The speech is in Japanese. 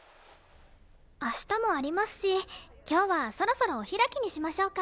明日もありますし今日はそろそろお開きにしましょうか。